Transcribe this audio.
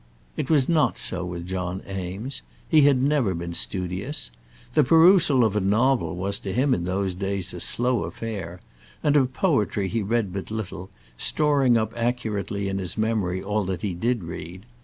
It was not so with John Eames. He had never been studious. The perusal of a novel was to him in those days a slow affair; and of poetry he read but little, storing up accurately in his memory all that he did read.